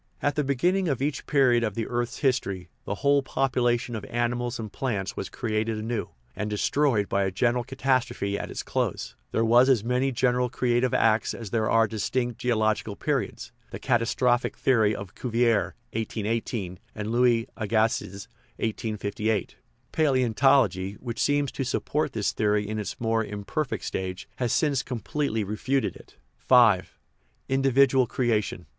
At the beginning of each period of the earth's history the whole population of animals and plants was created anew, and destroyed by a general catastrophe at its close; there were as many general creative acts as there are distinct geolog ical periods (the catastrophic theory of Cuvier and Louis Agassiz ). Palaeontology, which seemed to support this theory in its more imperfect stage, has since completely refuted it. V. Individual creation.